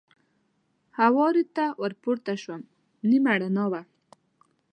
هوارې ته ور پورته شوم، نیمه رڼا وه.